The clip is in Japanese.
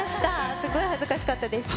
すごい恥ずかしかったです。